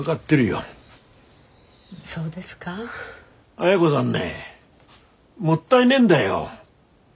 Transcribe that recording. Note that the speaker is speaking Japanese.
亜哉子さんねもったいねえんだよ。